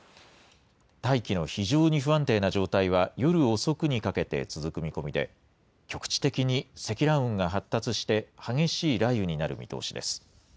大気の非常に不安定な状態は夜遅くにかけて続く見込みで、局地的に積乱雲が発達して、激しい雷雨になる見通しです。